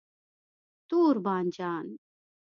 🍆 تور بانجان